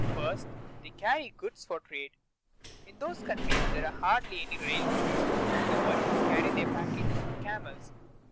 First, they carry goods for trade. In those countries there are hardly any railroads, so the merchants carry their packages on camels.